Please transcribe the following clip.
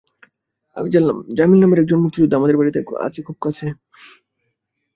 আমি জানলাম জামিল নামের একজন মুক্তিযোদ্ধা আমাদের বাড়িতে আমাদের খুব কাছে।